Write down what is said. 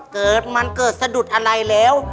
เกิดมันเกิดสะดุดอะไรแล้ว